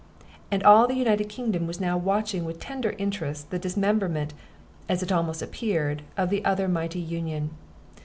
And all the United Kingdom was now watching with tender interest the dismemberment, as it almost appeared, of the other mighty Union.